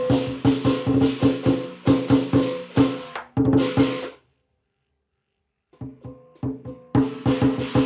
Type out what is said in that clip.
ตอนที่สิงโกโดดอดเหยียบแจนปืน